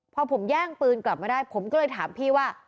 พอผมแย่งปืนกลับมาได้ผมก็เลยถามพี่ว่า